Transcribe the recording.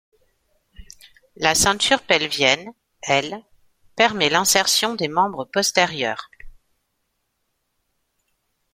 La ceinture pelvienne, elle, permet l'insertion des membres postérieurs.